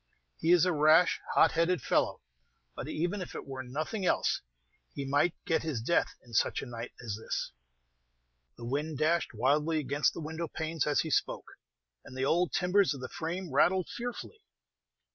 "He is a rash, hot headed fellow; but even if it were nothing else, he might get his death in such a night as this." The wind dashed wildly against the window panes as he spoke, and the old timbers of the frame rattled fearfully.